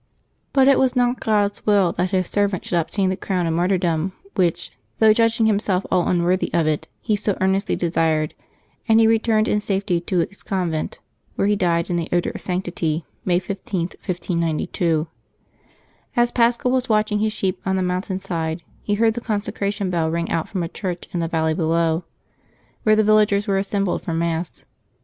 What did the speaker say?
But it was not God's will that His servant should obtain the crown of martyr dom which, though judging himself all unworthy of it, he so earnestly desired, and he returned in safety to his con vent, where he died in the odor of sanctity, May 15, 1592. As Paschal was watching his sheep on the mountain side, he heard the consecration bell ring out from a church in the valley below, where the villagers wer e assembled for Mass.